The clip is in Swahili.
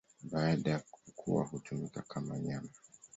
Baada ya kukua hutumika kama nyama.